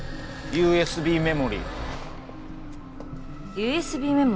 ＵＳＢメモリー？